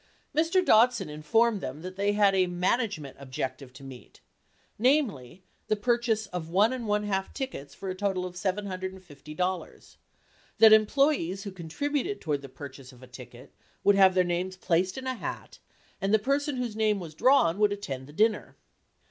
Mr. Dodson informed them that they had a "manage ment objective" to meet; namely, the purchase of one and one half tickets for a total of $750; that employees who con tributed toward the purchase of a ticket would have their names placed in a hat and the person whose name was drawn would attend the dinner.